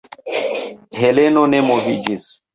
Heleno ne moviĝis.